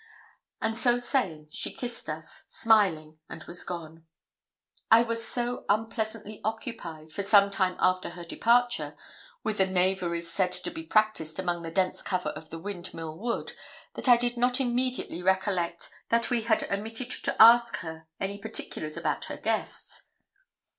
And so saying, she kissed us, smiling, and was gone. I was so unpleasantly occupied, for some time after her departure, with the knaveries said to be practised among the dense cover of the Windmill Wood, that I did not immediately recollect that we had omitted to ask her any particulars about her guests.